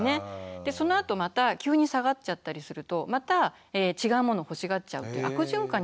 でそのあとまた急に下がっちゃったりするとまた違うもの欲しがっちゃうっていう悪循環に陥りやすいんですね。